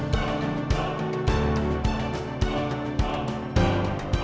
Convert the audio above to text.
masa yang terakhir